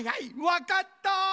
わかった！